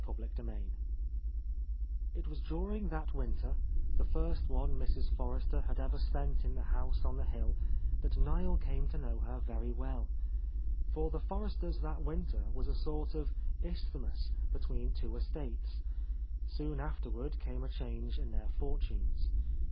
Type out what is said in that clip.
— 68 — VI I T was during that winter, the first one Mrs. Forrester had ever spent in the house on the hill, that Niel came to know her very well. For the Forresters that winter was a sort of isth mus between two estates ; soon afterward came a change in their fortunes.